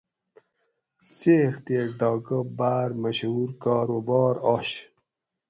څیق تے ڈاۤکاۤ باۤر مشھور کاروبار آش